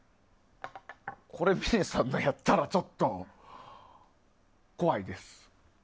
これ、峰さんのやったらちょっと怖いです。